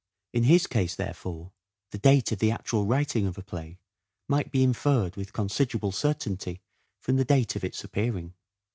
In his case, therefore, the date of the actual writing of a play might be inferred with considerable certainty from the date of its appearing.